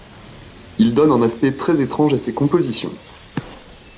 Il donne un aspect très étrange à ses compositions.